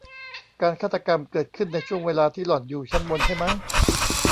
การฆาตกรรมเกิดขึ้นในช่วงเวลาที่หล่อนอยู่ชั้นบนใช่มั้ย